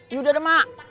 yaudah deh mak